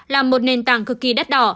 là một nền tảng cực kỳ đắt đỏ